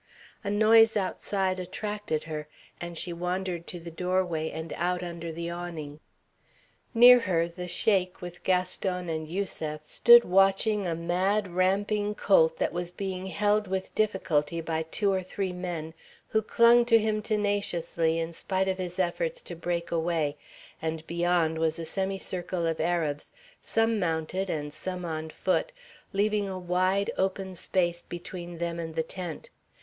A noise outside attracted her, and she wandered to the doorway and out under the awning. Near her the Sheik with Gaston and Yusef stood watching a mad, ramping colt that was being held with difficulty by two or three men, who clung to him tenaciously in spite of his efforts to break away, and beyond was a semi circle of Arabs, some mounted and some on foot, leaving a wide, open space between them and the tent.